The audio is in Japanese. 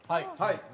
はい。